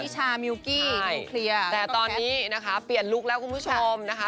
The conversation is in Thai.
ชามิวกี้นิวเคลียร์แต่ตอนนี้นะคะเปลี่ยนลุคแล้วคุณผู้ชมนะคะ